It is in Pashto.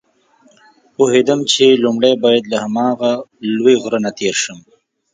پوهېدم چې لومړی باید له هماغه لوی غره نه تېر شم.